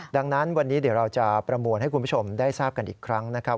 ดังนั้นวันนี้เดี๋ยวเราจะประมวลให้คุณผู้ชมได้ทราบกันอีกครั้งนะครับ